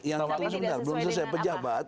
yang sebelum selesai pejabat